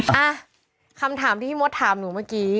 อ่ะคำถามที่พี่มดถามหนูเมื่อกี้